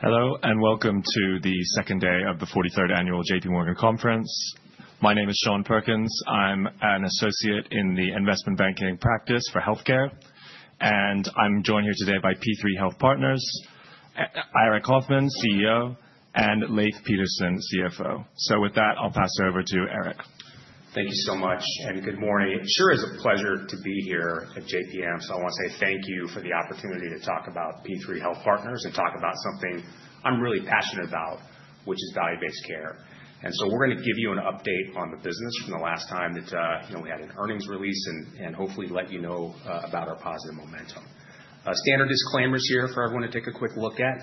Hello, and welcome to the second day of the 43rd Annual J.P. Morgan Conference. My name is Sean Perkins. I'm an associate in the investment banking practice for healthcare, and I'm joined here today by P3 Health Partners, Aric Coffman, CEO, and Leif Pedersen, CFO. So with that, I'll pass it over to Aric. Thank you so much, and good morning. It sure is a pleasure to be here at JPM, so I want to say thank you for the opportunity to talk about P3 Health Partners and talk about something I'm really passionate about, which is value-based care, and so we're going to give you an update on the business from the last time that we had an earnings release and hopefully let you know about our positive momentum. Standard disclaimers here for everyone to take a quick look at.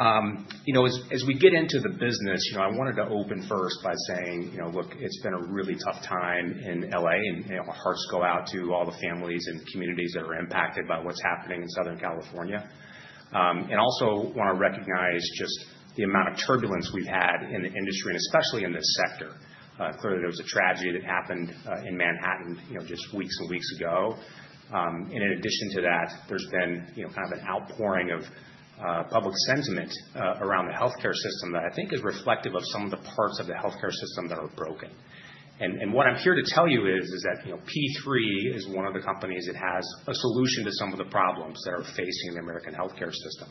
As we get into the business, I wanted to open first by saying, look, it's been a really tough time in LA, and our hearts go out to all the families and communities that are impacted by what's happening in Southern California, and also want to recognize just the amount of turbulence we've had in the industry, and especially in this sector. Clearly, there was a tragedy that happened in Manhattan just weeks and weeks ago. And in addition to that, there's been kind of an outpouring of public sentiment around the healthcare system that I think is reflective of some of the parts of the healthcare system that are broken. And what I'm here to tell you is that P3 is one of the companies that has a solution to some of the problems that are facing the American healthcare system,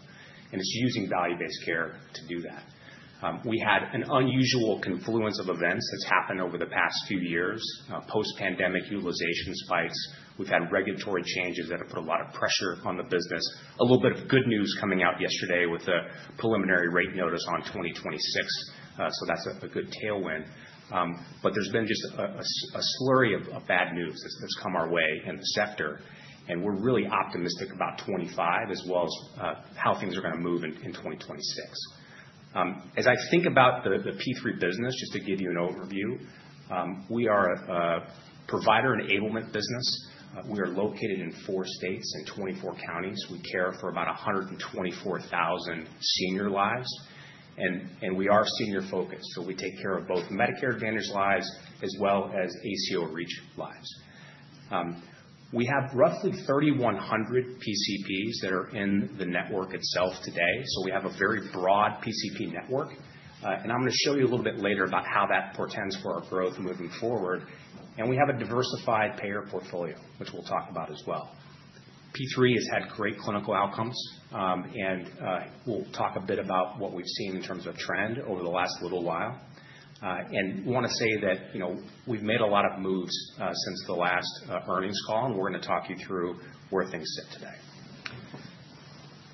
and it's using value-based care to do that. We had an unusual confluence of events that's happened over the past few years, post-pandemic utilization spikes. We've had regulatory changes that have put a lot of pressure on the business. A little bit of good news coming out yesterday with a preliminary rate notice on 2026, so that's a good tailwind. But there's been just a slurry of bad news that's come our way in the sector, and we're really optimistic about 2025 as well as how things are going to move in 2026. As I think about the P3 business, just to give you an overview, we are a provider enablement business. We are located in four states and 24 counties. We care for about 124,000 senior lives, and we are senior-focused, so we take care of both Medicare Advantage lives as well as ACO REACH lives. We have roughly 3,100 PCPs that are in the network itself today, so we have a very broad PCP network, and I'm going to show you a little bit later about how that portends for our growth moving forward. And we have a diversified payer portfolio, which we'll talk about as well. P3 has had great clinical outcomes, and we'll talk a bit about what we've seen in terms of trend over the last little while. And I want to say that we've made a lot of moves since the last earnings call, and we're going to talk you through where things sit today.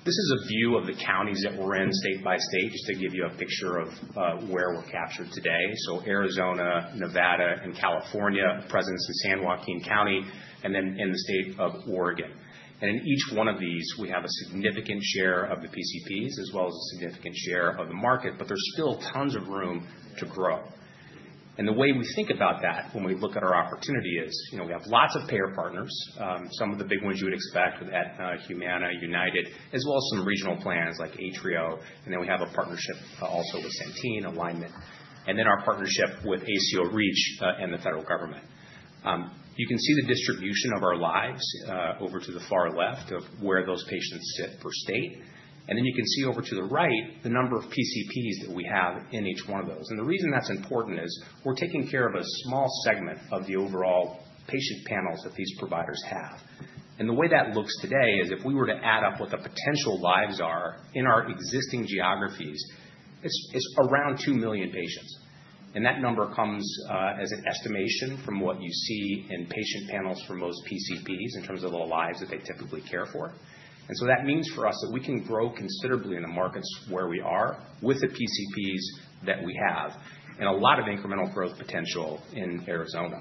This is a view of the counties that we're in state by state, just to give you a picture of where we're captured today. So Arizona, Nevada, and California, presence in San Joaquin County, and then in the state of Oregon. And in each one of these, we have a significant share of the PCPs as well as a significant share of the market, but there's still tons of room to grow. The way we think about that when we look at our opportunity is we have lots of payer partners, some of the big ones you would expect with Aetna, Humana, United, as well as some regional plans like Atrio, and then we have a partnership also with Centene, Alignment, and then our partnership with ACO REACH and the federal government. You can see the distribution of our lives over to the far left of where those patients sit per state, and then you can see over to the right the number of PCPs that we have in each one of those. And the reason that's important is we're taking care of a small segment of the overall patient panels that these providers have. And the way that looks today is if we were to add up what the potential lives are in our existing geographies, it's around 2 million patients. That number comes as an estimation from what you see in patient panels for most PCPs in terms of the lives that they typically care for. That means for us that we can grow considerably in the markets where we are with the PCPs that we have, and a lot of incremental growth potential in Arizona.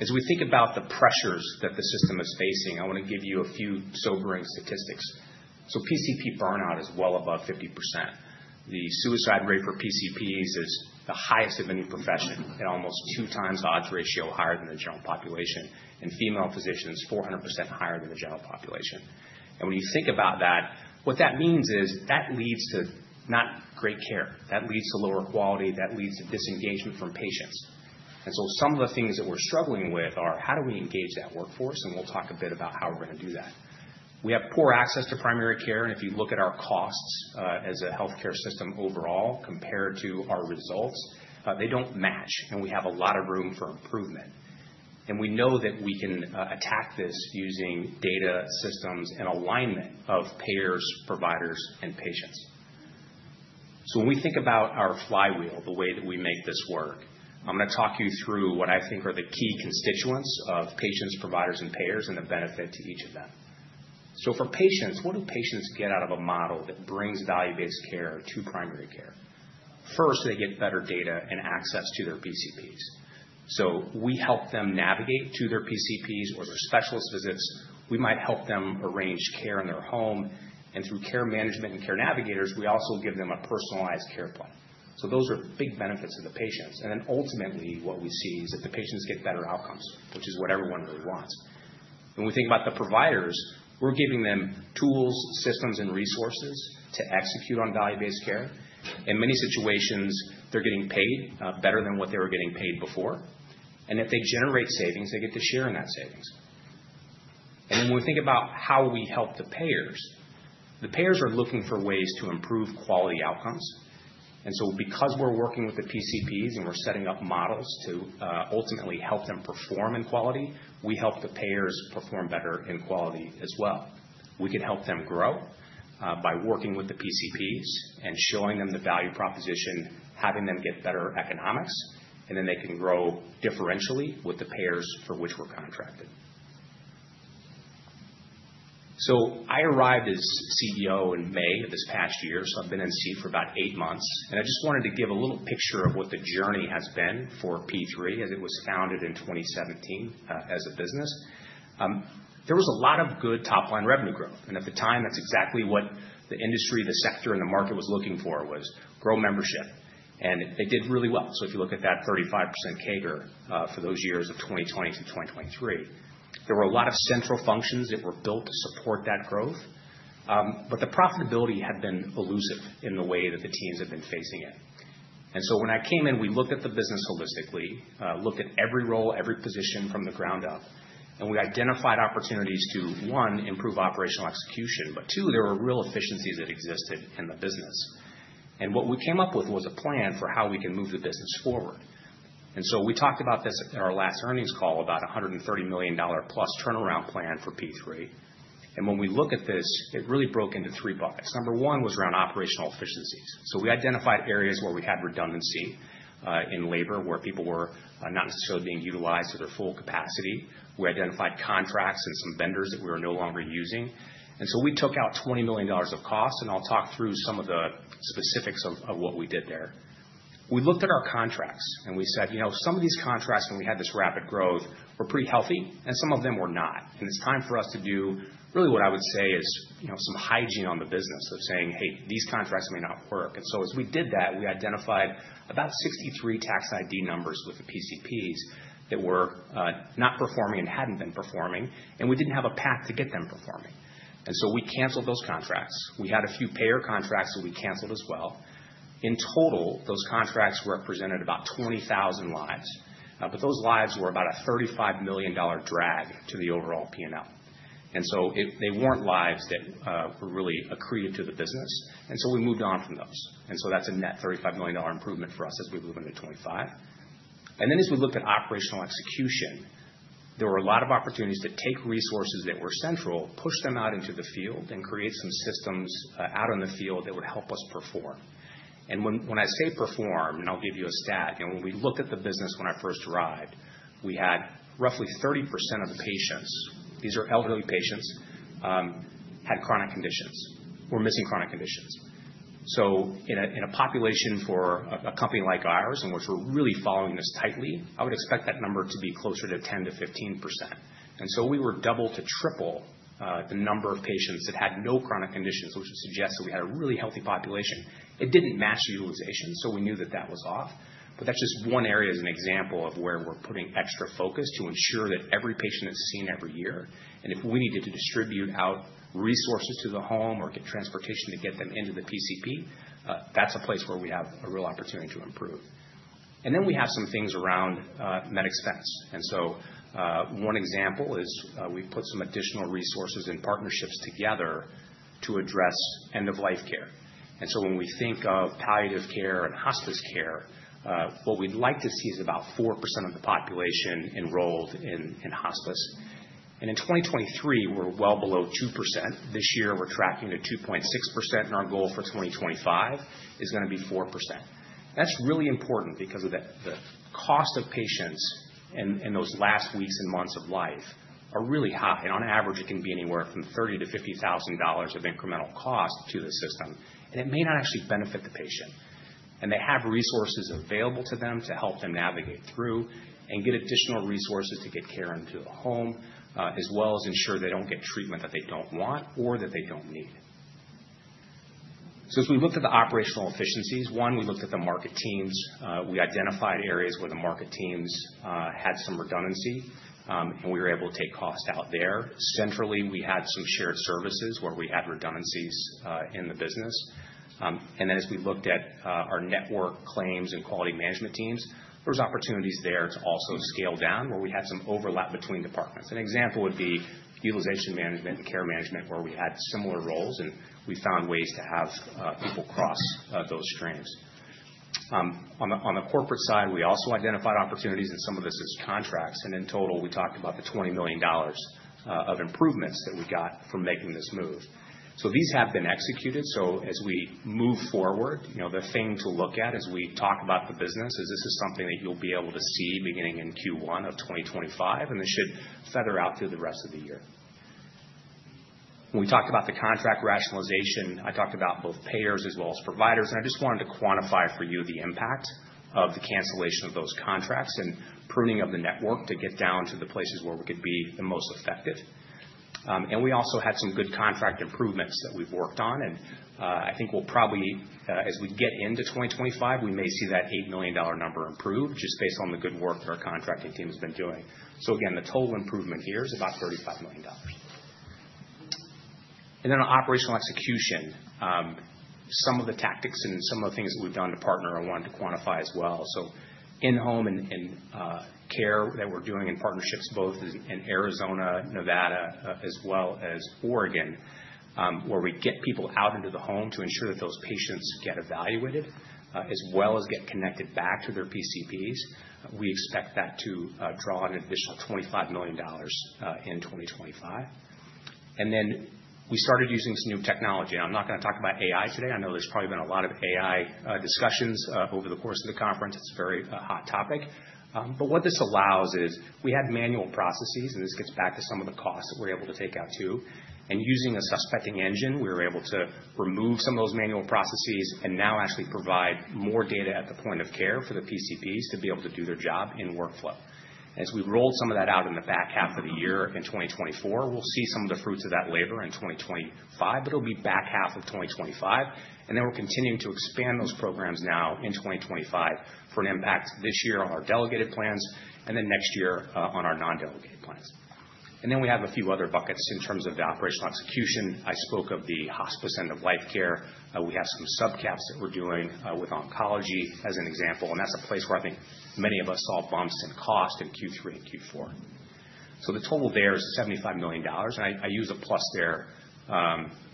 As we think about the pressures that the system is facing, I want to give you a few sobering statistics. PCP burnout is well above 50%. The suicide rate for PCPs is the highest of any profession, and almost two times the odds ratio higher than the general population, and female physicians 400% higher than the general population. When you think about that, what that means is that leads to not great care. That leads to lower quality. That leads to disengagement from patients. Some of the things that we're struggling with are how do we engage that workforce, and we'll talk a bit about how we're going to do that. We have poor access to primary care, and if you look at our costs as a healthcare system overall compared to our results, they don't match, and we have a lot of room for improvement. We know that we can attack this using data systems and alignment of payers, providers, and patients. When we think about our flywheel, the way that we make this work, I'm going to talk you through what I think are the key constituents of patients, providers, and payers and the benefit to each of them. For patients, what do patients get out of a model that brings value-based care to primary care? First, they get better data and access to their PCPs. So we help them navigate to their PCPs or their specialist visits. We might help them arrange care in their home. And through care management and care navigators, we also give them a personalized care plan. So those are big benefits to the patients. And then ultimately, what we see is that the patients get better outcomes, which is what everyone really wants. When we think about the providers, we're giving them tools, systems, and resources to execute on value-based care. In many situations, they're getting paid better than what they were getting paid before. And if they generate savings, they get to share in that savings. And then when we think about how we help the payers, the payers are looking for ways to improve quality outcomes. So because we're working with the PCPs and we're setting up models to ultimately help them perform in quality, we help the payers perform better in quality as well. We can help them grow by working with the PCPs and showing them the value proposition, having them get better economics, and then they can grow differentially with the payers for which we're contracted. So I arrived as CEO in May of this past year, so I've been in the seat for about eight months. And I just wanted to give a little picture of what the journey has been for P3 as it was founded in 2017 as a business. There was a lot of good top-line revenue growth. And at the time, that's exactly what the industry, the sector, and the market was looking for, grow membership. And they did really well. If you look at that 35% CAGR for those years of 2020 to 2023, there were a lot of central functions that were built to support that growth. The profitability had been elusive in the way that the teams had been facing it. When I came in, we looked at the business holistically, looked at every role, every position from the ground up, and we identified opportunities to, one, improve operational execution, but two, there were real efficiencies that existed in the business. What we came up with was a plan for how we can move the business forward. We talked about this at our last earnings call, about a $130 million-plus turnaround plan for P3. When we look at this, it really broke into three buckets. Number one was around operational efficiencies. We identified areas where we had redundancy in labor, where people were not necessarily being utilized to their full capacity. We identified contracts and some vendors that we were no longer using. And so we took out $20 million of costs, and I'll talk through some of the specifics of what we did there. We looked at our contracts and we said, you know, some of these contracts, when we had this rapid growth, were pretty healthy, and some of them were not. And it's time for us to do really what I would say is some hygiene on the business of saying, hey, these contracts may not work. And so as we did that, we identified about 63 tax ID numbers with the PCPs that were not performing and hadn't been performing, and we didn't have a path to get them performing. And so we canceled those contracts. We had a few payer contracts that we canceled as well. In total, those contracts represented about 20,000 lives, but those lives were about a $35 million drag to the overall P&L. And so they weren't lives that were really accretive to the business, and so we moved on from those. And so that's a net $35 million improvement for us as we move into 2025. And then as we looked at operational execution, there were a lot of opportunities to take resources that were central, push them out into the field, and create some systems out in the field that would help us perform. And when I say perform, and I'll give you a stat, when we looked at the business when I first arrived, we had roughly 30% of the patients, these are elderly patients, had chronic conditions, were missing chronic conditions. In a population for a company like ours, in which we're really following this tightly, I would expect that number to be closer to 10%-15%. And so we were double to triple the number of patients that had no chronic conditions, which would suggest that we had a really healthy population. It didn't match utilization, so we knew that that was off. But that's just one area as an example of where we're putting extra focus to ensure that every patient is seen every year. And if we needed to distribute out resources to the home or get transportation to get them into the PCP, that's a place where we have a real opportunity to improve. And then we have some things around med expense. And so one example is we've put some additional resources and partnerships together to address end-of-life care. And so when we think of palliative care and hospice care, what we'd like to see is about 4% of the population enrolled in hospice. And in 2023, we're well below 2%. This year, we're tracking to 2.6%, and our goal for 2025 is going to be 4%. That's really important because the cost of patients in those last weeks and months of life are really high. And on average, it can be anywhere from $30,000-$50,000 of incremental cost to the system, and it may not actually benefit the patient. And they have resources available to them to help them navigate through and get additional resources to get care into a home, as well as ensure they don't get treatment that they don't want or that they don't need. So as we looked at the operational efficiencies, one, we looked at the market teams. We identified areas where the market teams had some redundancy, and we were able to take cost out there. Centrally, we had some shared services where we had redundancies in the business, and then as we looked at our network claims and quality management teams, there were opportunities there to also scale down where we had some overlap between departments. An example would be utilization management and care management, where we had similar roles, and we found ways to have people cross those streams. On the corporate side, we also identified opportunities, and some of this is contracts, and in total, we talked about the $20 million of improvements that we got from making this move, so these have been executed. So as we move forward, the thing to look at as we talk about the business is this is something that you'll be able to see beginning in Q1 of 2025, and this should feather out through the rest of the year. When we talked about the contract rationalization, I talked about both payers as well as providers, and I just wanted to quantify for you the impact of the cancellation of those contracts and pruning of the network to get down to the places where we could be the most effective. And we also had some good contract improvements that we've worked on, and I think we'll probably, as we get into 2025, we may see that $8 million number improve just based on the good work that our contracting team has been doing. So again, the total improvement here is about $35 million. And then on operational execution, some of the tactics and some of the things that we've done to partner, I wanted to quantify as well. So in-home and care that we're doing in partnerships, both in Arizona, Nevada, as well as Oregon, where we get people out into the home to ensure that those patients get evaluated as well as get connected back to their PCPs, we expect that to draw an additional $25 million in 2025. And then we started using some new technology. And I'm not going to talk about AI today. I know there's probably been a lot of AI discussions over the course of the conference. It's a very hot topic. But what this allows is we had manual processes, and this gets back to some of the costs that we're able to take out too. Using a suspecting engine, we were able to remove some of those manual processes and now actually provide more data at the point of care for the PCPs to be able to do their job in workflow. As we rolled some of that out in the back half of the year in 2024, we'll see some of the fruits of that labor in 2025, but it'll be back half of 2025. Then we're continuing to expand those programs now in 2025 for an impact this year on our delegated plans and then next year on our non-delegated plans. Then we have a few other buckets in terms of the operational execution. I spoke of the hospice end-of-life care. We have some sub-caps that we're doing with oncology as an example, and that's a place where I think many of us saw bumps in cost in Q3 and Q4. So the total there is $75 million. And I use a plus there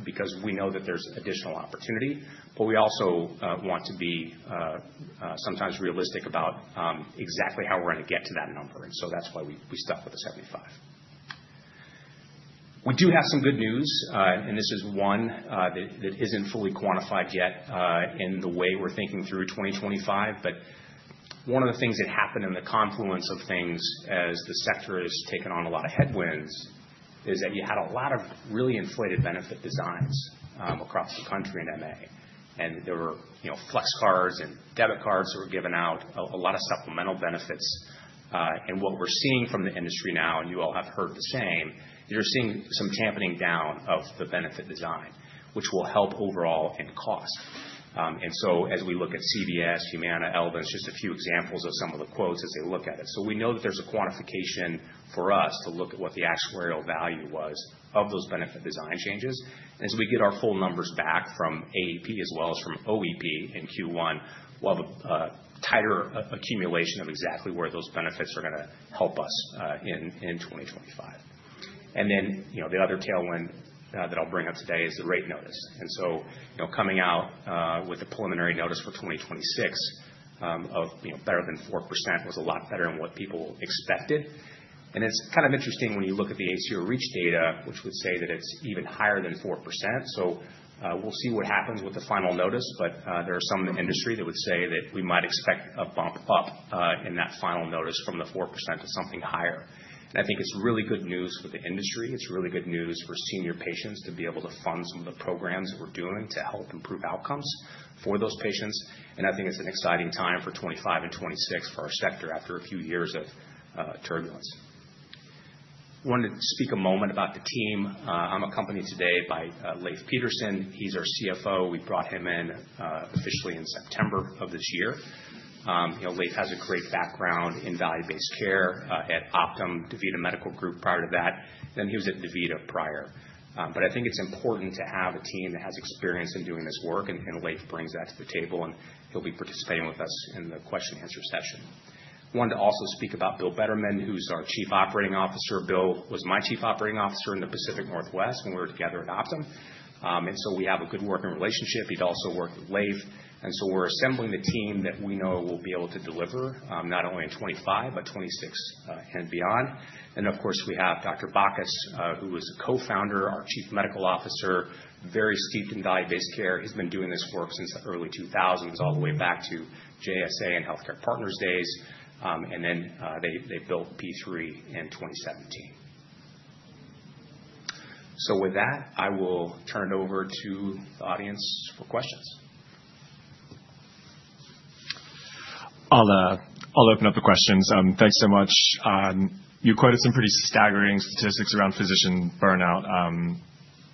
because we know that there's additional opportunity, but we also want to be sometimes realistic about exactly how we're going to get to that number. And so that's why we stuck with the 75. We do have some good news, and this is one that isn't fully quantified yet in the way we're thinking through 2025. But one of the things that happened in the confluence of things as the sector has taken on a lot of headwinds is that you had a lot of really inflated benefit designs across the country in MA. And there were flex cards and debit cards that were given out, a lot of supplemental benefits. And what we're seeing from the industry now, and you all have heard the same, is you're seeing some tempering down of the benefit design, which will help overall in cost. And so as we look at CVS, Humana, and on, just a few examples of some of the Cos as they look at it. So we know that there's a quantification for us to look at what the actuarial value was of those benefit design changes. And as we get our full numbers back from AEP as well as from OEP in Q1, we'll have a tighter accumulation of exactly where those benefits are going to help us in 2025. And then the other tailwind that I'll bring up today is the rate notice. Coming out with the preliminary notice for 2026 of better than 4% was a lot better than what people expected. It's kind of interesting when you look at the ACO REACH data, which would say that it's even higher than 4%. We'll see what happens with the Final Notice, but there are some in the industry that would say that we might expect a bump up in that Final Notice from the 4% to something higher. I think it's really good news for the industry. It's really good news for senior patients to be able to fund some of the programs that we're doing to help improve outcomes for those patients. I think it's an exciting time for 2025 and 2026 for our sector after a few years of turbulence. I wanted to speak a moment about the team. I'm accompanied today by Leif Pedersen. He's our CFO. We brought him in officially in September of this year. Leif has a great background in value-based care at Optum, DaVita Medical Group prior to that. Then he was at DaVita prior. But I think it's important to have a team that has experience in doing this work, and Leif brings that to the table, and he'll be participating with us in the question-answer session. I wanted to also speak about Bill Bettermann, who's our Chief Operating Officer. Bill was my Chief Operating Officer in the Pacific Northwest when we were together at Optum. And so we have a good working relationship. He'd also worked with Leif. And so we're assembling the team that we know will be able to deliver not only in 2025, but 2026 and beyond. And of course, we have Dr. Bacchus, who is a co-founder, our Chief Medical Officer, very steeped in value-based care. He's been doing this work since the early 2000s, all the way back to JSA and HealthCare Partners days, and then they built P3 in 2017. With that, I will turn it over to the audience for questions. I'll open up the questions. Thanks so much. You quoted some pretty staggering statistics around physician burnout,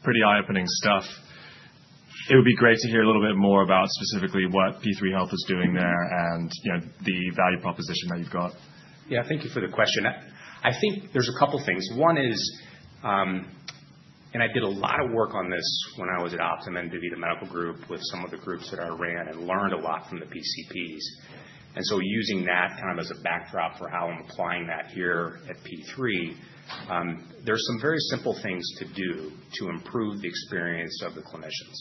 pretty eye-opening stuff. It would be great to hear a little bit more about specifically what P3 Health is doing there and the value proposition that you've got. Yeah, thank you for the question. I think there's a couple of things. One is, and I did a lot of work on this when I was at Optum and DaVita Medical Group with some of the groups that I ran and learned a lot from the PCPs. And so using that kind of as a backdrop for how I'm applying that here at P3, there's some very simple things to do to improve the experience of the clinicians.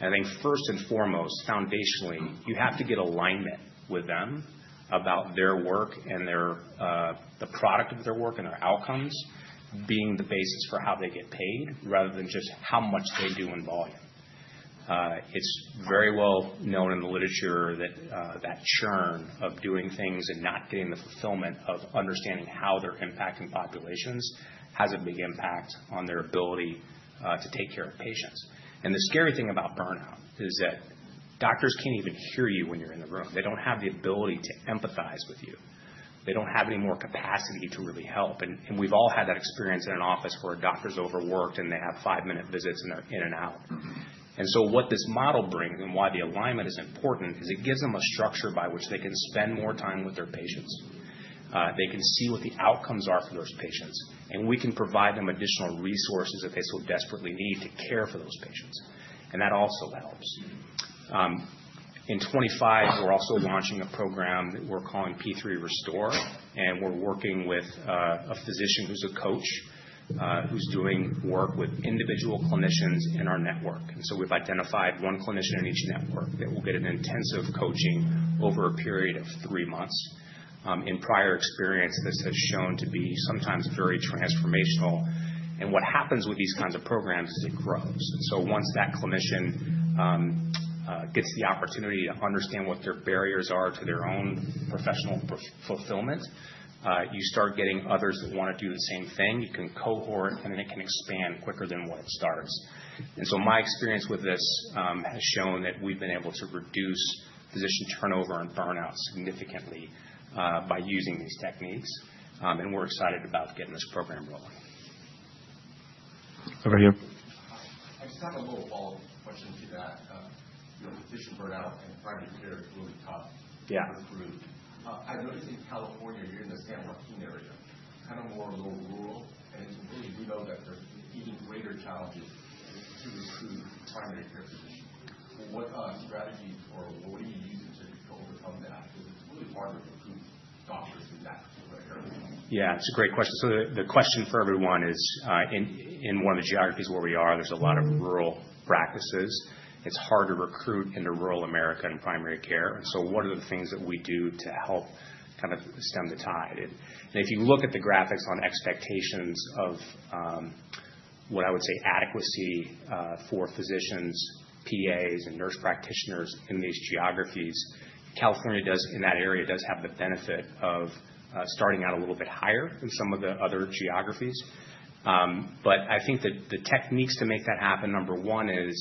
And I think first and foremost, foundationally, you have to get alignment with them about their work and the product of their work and their outcomes being the basis for how they get paid rather than just how much they do in volume. It's very well known in the literature that churn of doing things and not getting the fulfillment of understanding how they're impacting populations has a big impact on their ability to take care of patients. And the scary thing about burnout is that doctors can't even hear you when you're in the room. They don't have the ability to empathize with you. They don't have any more capacity to really help. And we've all had that experience in an office where a doctor's overworked and they have five-minute visits and they're in and out. And so what this model brings and why the alignment is important is it gives them a structure by which they can spend more time with their patients. They can see what the outcomes are for those patients, and we can provide them additional resources that they so desperately need to care for those patients. And that also helps. In 2025, we're also launching a program that we're calling P3 Restore. And we're working with a physician who's a coach who's doing work with individual clinicians in our network. And so we've identified one clinician in each network that will get an intensive coaching over a period of three months. In prior experience, this has shown to be sometimes very transformational. And what happens with these kinds of programs is it grows. And so once that clinician gets the opportunity to understand what their barriers are to their own professional fulfillment, you start getting others that want to do the same thing. You can cohort, and then it can expand quicker than when it starts. And so my experience with this has shown that we've been able to reduce physician turnover and burnout significantly by using these techniques. We're excited about getting this program rolling. Over here. I just have a little follow-up question to that. Physician burnout and primary care is really tough. Yeah. Improved. I noticed in California, you're in the San Joaquin area, kind of more low rural, and it's really, we know that there's even greater challenges to recruit primary care physicians. What strategies or what are you using to overcome that? Because it's really hard to recruit doctors in that particular area. Yeah, it's a great question. So the question for everyone is, in one of the geographies where we are, there's a lot of rural practices. It's hard to recruit into rural America in primary care. And so what are the things that we do to help kind of stem the tide? And if you look at the graphics on expectations of what I would say adequacy for physicians, PAs, and nurse practitioners in these geographies, California in that area does have the benefit of starting out a little bit higher than some of the other geographies. But I think that the techniques to make that happen, number one is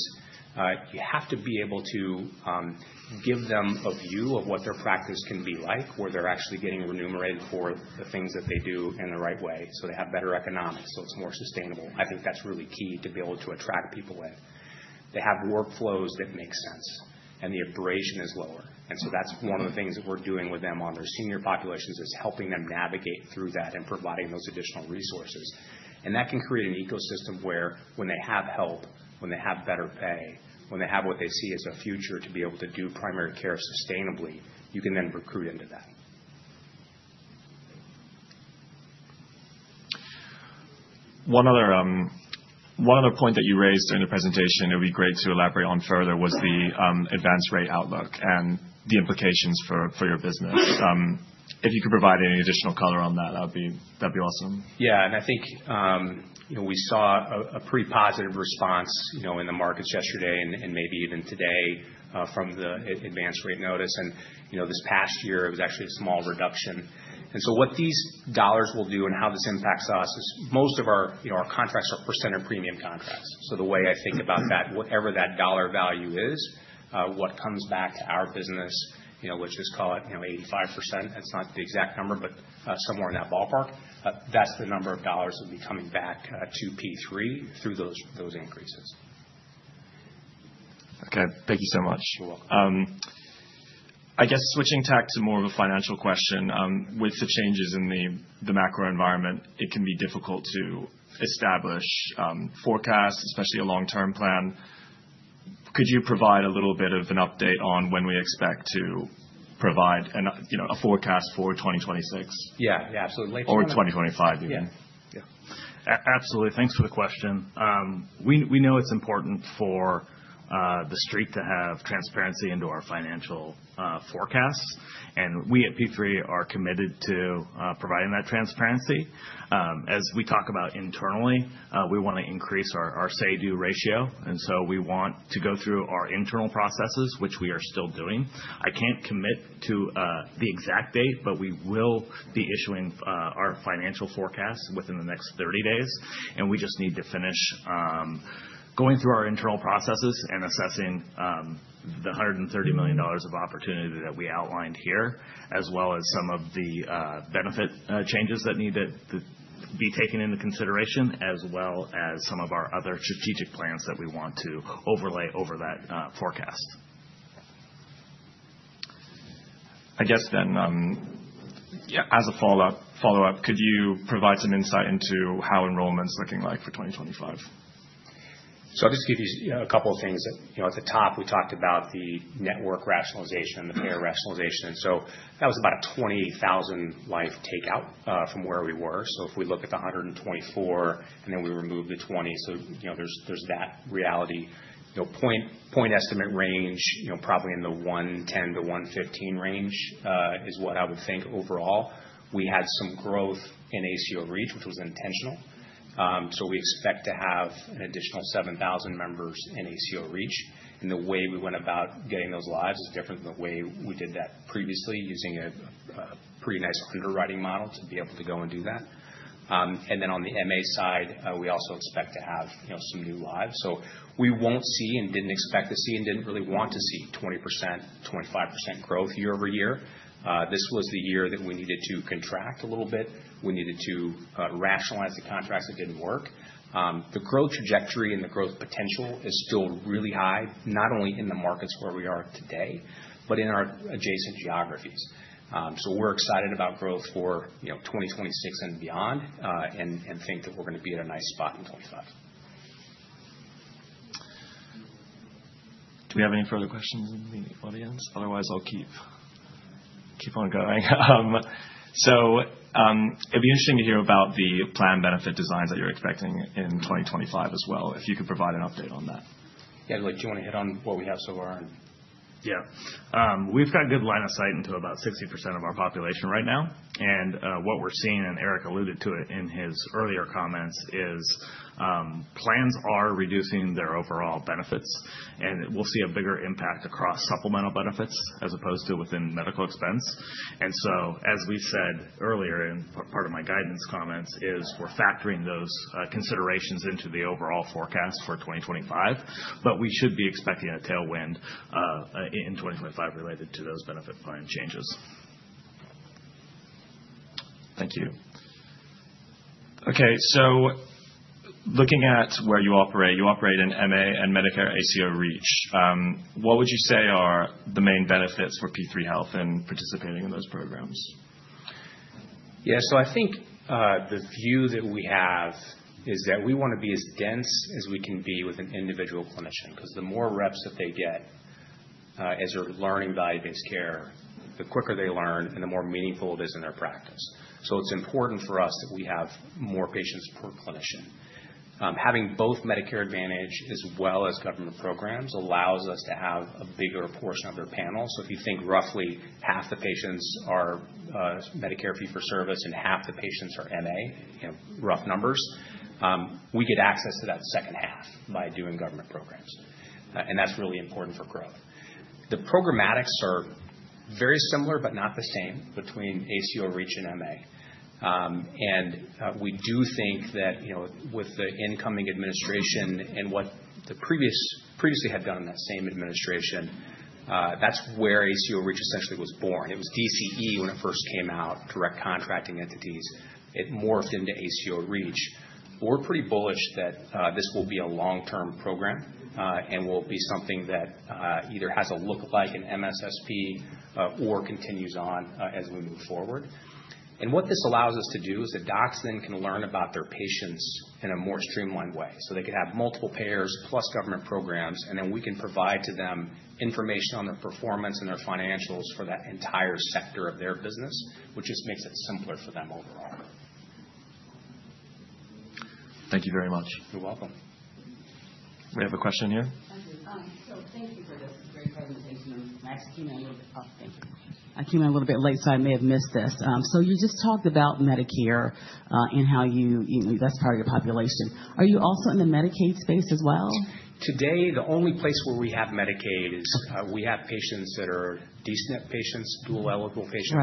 you have to be able to give them a view of what their practice can be like, where they're actually getting remunerated for the things that they do in the right way. So they have better economics. So it's more sustainable. I think that's really key to be able to attract people in. They have workflows that make sense, and the abrasion is lower. And so that's one of the things that we're doing with them on their senior populations is helping them navigate through that and providing those additional resources. And that can create an ecosystem where when they have help, when they have better pay, when they have what they see as a future to be able to do primary care sustainably, you can then recruit into that. One other point that you raised during the presentation, it would be great to elaborate on further, was the advance rate outlook and the implications for your business. If you could provide any additional color on that, that'd be awesome. Yeah, and I think we saw a pretty positive response in the markets yesterday and maybe even today from the Advance Rate Notice, and this past year, it was actually a small reduction, and so what these dollars will do and how this impacts us is most of our contracts are percentage-of-premium contracts, so the way I think about that, whatever that dollar value is, what comes back to our business, let's just call it 85%. It's not the exact number, but somewhere in that ballpark. That's the number of dollars that will be coming back to P3 through those increases. Okay. Thank you so much. You're welcome. I guess switching tech to more of a financial question. With the changes in the macro environment, it can be difficult to establish forecasts, especially a long-term plan. Could you provide a little bit of an update on when we expect to provide a forecast for 2026? Yeah. Yeah. Absolutely. Or 2025 even. Yeah. Absolutely. Thanks for the question. We know it's important for the street to have transparency into our financial forecasts, and we at P3 are committed to providing that transparency. As we talk about internally, we want to increase our say-do ratio, and so we want to go through our internal processes, which we are still doing. I can't commit to the exact date, but we will be issuing our financial forecast within the next 30 days, and we just need to finish going through our internal processes and assessing the $130 million of opportunity that we outlined here, as well as some of the benefit changes that need to be taken into consideration, as well as some of our other strategic plans that we want to overlay over that forecast. I guess then, as a follow-up, could you provide some insight into how enrollment's looking like for 2025? I'll just give you a couple of things. At the top, we talked about the network rationalization and the payer rationalization. That was about a 20,000-life takeout from where we were. If we look at the 124 and then we remove the 20, there's that reality. The point estimate range, probably in the 110-115 range, is what I would think overall. We had some growth in ACO REACH, which was intentional. We expect to have an additional 7,000 members in ACO REACH. The way we went about getting those lives is different than the way we did that previously, using a pretty nice underwriting model to be able to go and do that. On the MA side, we also expect to have some new lives. We won't see and didn't expect to see and didn't really want to see 20%-25% growth year over year. This was the year that we needed to contract a little bit. We needed to rationalize the contracts that didn't work. The growth trajectory and the growth potential is still really high, not only in the markets where we are today, but in our adjacent geographies. We're excited about growth for 2026 and beyond and think that we're going to be at a nice spot in 2025. Do we have any further questions in the audience? Otherwise, I'll keep on going. So it'd be interesting to hear about the plan benefit designs that you're expecting in 2025 as well, if you could provide an update on that. Yeah. Do you want to hit on what we have so far? Yeah. We've got good line of sight into about 60% of our population right now. And what we're seeing, and Aric alluded to it in his earlier comments, is plans are reducing their overall benefits. And we'll see a bigger impact across supplemental benefits as opposed to within medical expense. And so, as we said earlier in part of my guidance comments, we're factoring those considerations into the overall forecast for 2025. But we should be expecting a tailwind in 2025 related to those benefit plan changes. Thank you. Okay. So looking at where you operate, you operate in MA and Medicare ACO REACH. What would you say are the main benefits for P3 Health in participating in those programs? Yeah. So I think the view that we have is that we want to be as dense as we can be with an individual clinician. Because the more reps that they get as they're learning value-based care, the quicker they learn and the more meaningful it is in their practice. So it's important for us that we have more patients per clinician. Having both Medicare Advantage as well as government programs allows us to have a bigger portion of their panel. So if you think roughly half the patients are Medicare Fee-For-Service and half the patients are MA, rough numbers, we get access to that second half by doing government programs. And that's really important for growth. The programmatics are very similar, but not the same between ACO REACH and MA. And we do think that with the incoming administration and what they previously had done in that same administration, that's where ACO REACH essentially was born. It was DCE when it first came out, direct contracting entities. It morphed into ACO REACH. We're pretty bullish that this will be a long-term program and will be something that either has a look like an MSSP or continues on as we move forward. And what this allows us to do is the docs then can learn about their patients in a more streamlined way. So they can have multiple payers plus government programs, and then we can provide to them information on their performance and their financials for that entire sector of their business, which just makes it simpler for them overall. Thank you very much. You're welcome. We have a question here. So thank you for this great presentation. I came in a little bit. Oh, thank you. I came in a little bit late, so I may have missed this. So you just talked about Medicare and how that's part of your population. Are you also in the Medicaid space as well? Today, the only place where we have Medicaid is we have patients that are D-SNP patients, dual eligible patients,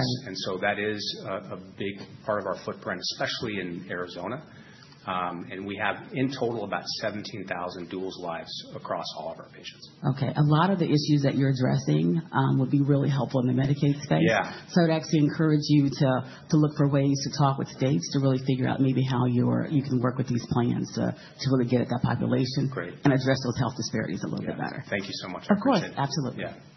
and we have in total about 17,000 dual lives across all of our patients. Okay. A lot of the issues that you're addressing would be really helpful in the Medicaid space. Yeah. I'd actually encourage you to look for ways to talk with states to really figure out maybe how you can work with these plans to really get at that population and address those health disparities a little bit better. Thank you so much for the question. Of course. Absolutely. Yeah.